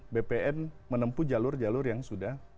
bpn menempuh jalur jalur yang sudah